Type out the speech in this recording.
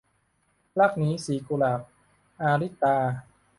รักนี้สีกุหลาบ - อาริตา